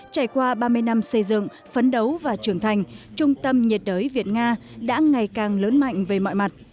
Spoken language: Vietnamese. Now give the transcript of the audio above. trải qua ba mươi năm xây dựng phấn đấu và trưởng thành trung tâm nhiệt đới việt nga đã ngày càng lớn mạnh về mọi mặt